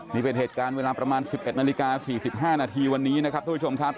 นี่เป็นเหตุการณ์เวลาประมาณ๑๑นาฬิกา๔๕นาทีวันนี้นะครับทุกผู้ชมครับ